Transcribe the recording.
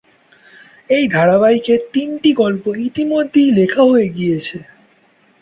এই ধারাবাহিকের তিনটি গল্প ইতিমধ্যেই লেখা হয়ে গিয়েছে।